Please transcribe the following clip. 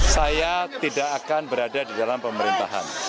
saya tidak akan berada di dalam pemerintahan